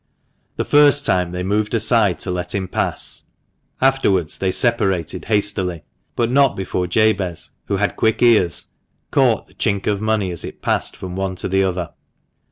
The first time they moved aside to let him pass, afterwards they separated hastily ; but not before Jabez, who had quick ears, caught the chink of money as it passed from one to the other.